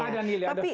ada nilainya ada pilih